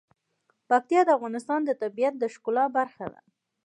پکتیکا د افغانستان د طبیعت د ښکلا برخه ده.